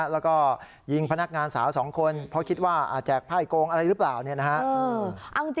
แล้วก็ยิงพนักงานสาวสองคนเพราะคิดว่าแจกไพ่โกงอะไรหรือเปล่าเนี่ยนะฮะ